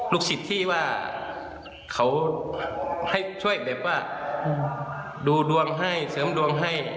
สิทธิ์ที่ว่าเขาให้ช่วยแบบว่าดูดวงให้เสริมดวงให้